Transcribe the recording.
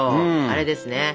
あれですね。